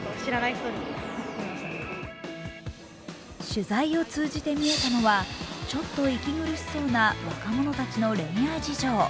取材を通じて見えたのは、ちょっと息苦しそうな若者たちの恋愛事情。